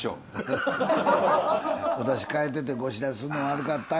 「私変えててお知らせするの悪かった」